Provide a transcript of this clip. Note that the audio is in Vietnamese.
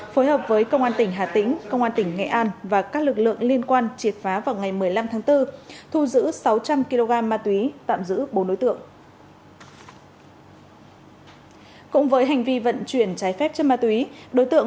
phối hợp với công an tỉnh hà tĩnh công an tỉnh nghệ an và các lực lượng liên quan triệt phá vào ngày một mươi năm tháng bốn thu giữ sáu trăm linh kg ma túy tạm giữ bốn đối tượng